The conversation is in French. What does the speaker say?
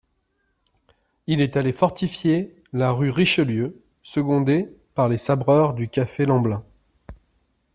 Il est allé fortifier la rue Richelieu, secondé par les sabreurs du café Lemblin.